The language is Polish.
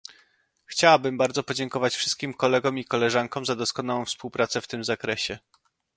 Chciałabym bardzo podziękować wszystkim kolegom i koleżankom za doskonałą współpracę w tym zakresie